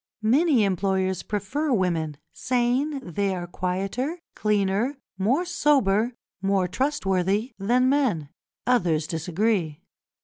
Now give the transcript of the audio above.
Many employers prefer women, saying they are quieter, cleaner, more sober, more trustworthy, than men; others disagree.